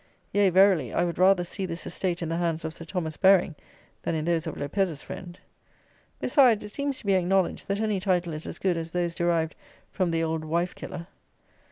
Yea, verily, I would rather see this estate in the hands of Sir Thomas Baring than in those of Lopez's friend. Besides, it seems to be acknowledged that any title is as good as those derived from the old wife killer.